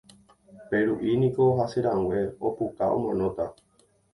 Peru'i niko hasẽrãngue, opuka omanóta.